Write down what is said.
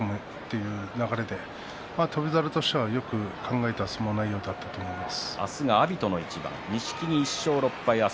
その流れで翔猿としてはよく考えた相撲内容だったと思います。